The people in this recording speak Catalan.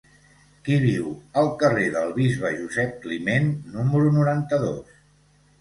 Qui viu al carrer del Bisbe Josep Climent número noranta-dos?